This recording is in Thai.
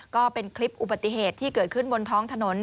ก็เป็นคลิปอุบัติเหตุที่เกิดขึ้นบนท้องถนน